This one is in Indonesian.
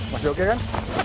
masih oke kan